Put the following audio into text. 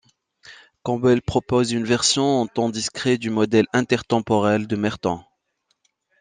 Campbell propose une version en temps discret du modèle intertemporel de Merton.